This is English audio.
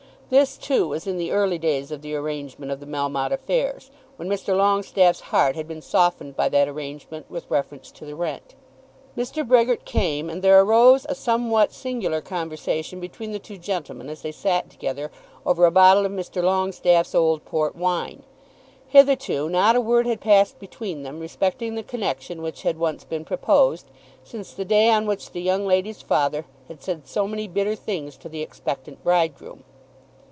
This, too, was in the early days of the arrangement of the Melmotte affairs, when Mr. Longestaffe's heart had been softened by that arrangement with reference to the rent. Mr. Brehgert came, and there arose a somewhat singular conversation between the two gentlemen as they sat together over a bottle of Mr. Longestaffe's old port wine. Hitherto not a word had passed between them respecting the connection which had once been proposed, since the day on which the young lady's father had said so many bitter things to the expectant bridegroom.